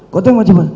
kau tembak cepat